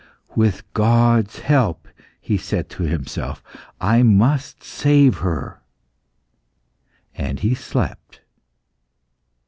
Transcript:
"With God's help," he said to himself, "I must save her." And he slept.